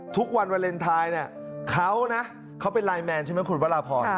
ทุกวันวาเลนไทยเนี่ยเขานะเขาเป็นไลน์แมนใช่ไหมคุณวราพร